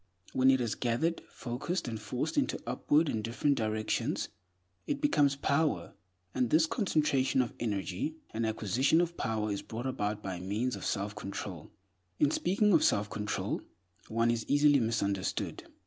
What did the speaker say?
When it is gathered, focused, and forced into upward and different directions, it becomes power; and this concentration of energy and acquisition of power is brought about by means of self control. In speaking of self control, one is easily misunderstood.